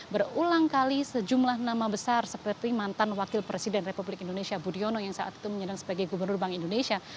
berulang kali sejumlah nama besar seperti mantan wakil presiden republik indonesia budiono yang saat itu menyandang sebagai gubernur bank indonesia